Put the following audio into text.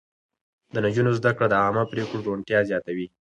د نجونو زده کړه د عامه پرېکړو روڼتيا زياتوي.